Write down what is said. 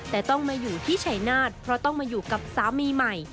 แต่ต้องมาอยู่ที่ชัยนาฏเพราะต้องมาอยู่กับสามีใหม่